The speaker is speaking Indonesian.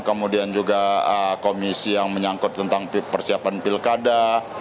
kemudian juga komisi yang menyangkut tentang persiapan pilkada